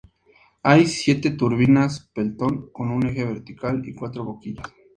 Hay siete turbinas Pelton con un eje vertical y cuatro boquillas.